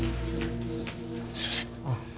すみません。